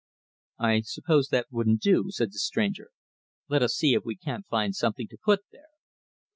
"I suppose that wouldn't do," said the stranger. "Let us see if we can't find something to put there."